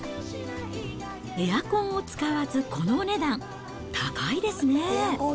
エアコンを使わずこのお値段、高いですね。